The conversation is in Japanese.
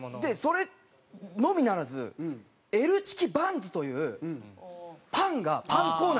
それのみならずＬチキバンズというパンがパンコーナーにあるんですよ。